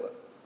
thì bây giờ